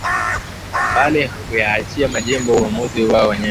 bali kuyaachia majimbo uwamuzi wao wenyewe